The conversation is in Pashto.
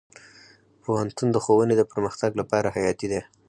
پوهنتون د ښوونې د پرمختګ لپاره حیاتي دی.